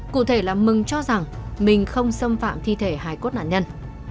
cụ thể là mừng cho rằng mình không xâm phạm thi thể hải cốt nạn nhân